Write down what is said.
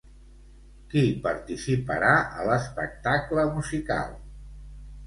Qui participarà a l'espectacle musical?